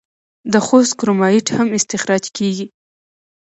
د خوست کرومایټ هم استخراج کیږي.